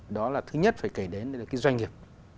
đó là thứ nhất phải kể đến cái doanh nghiệp